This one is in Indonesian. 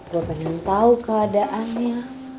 gua pengen tahu keadaannya